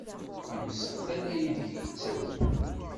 Yemsex tala ideg yettagem!